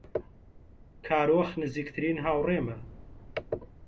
کارۆخ نزیکترین هاوڕێمە.